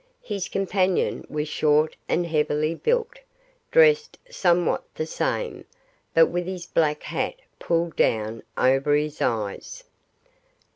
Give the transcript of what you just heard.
His companion was short and heavily built, dressed somewhat the same, but with his black hat pulled down over his eyes.